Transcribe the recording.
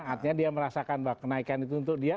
artinya dia merasakan bahwa kenaikan itu untuk dia